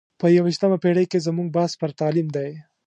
په یو ویشتمه پېړۍ کې زموږ بحث پر تعلیم دی.